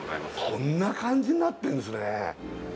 こんな感じになってるんですね